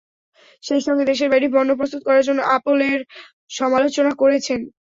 সেই সঙ্গে দেশের বাইরে পণ্য প্রস্তুত করার জন্য অ্যাপলের সমালোচনা করেছেন।